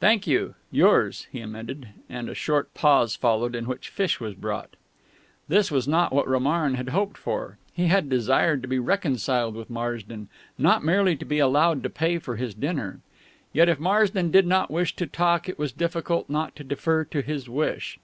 "Thank you yours," he amended; and a short pause followed, in which fish was brought. This was not what Romarin had hoped for. He had desired to be reconciled with Marsden, not merely to be allowed to pay for his dinner. Yet if Marsden did not wish to talk it was difficult not to defer to his wish.